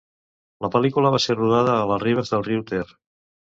La pel·lícula va ser rodada a les ribes del riu Ter.